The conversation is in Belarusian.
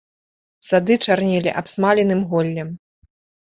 Сады чарнелі абсмаленым голлем.